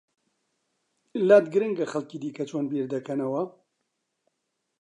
لات گرنگە خەڵکی دیکە چۆن بیر دەکەنەوە؟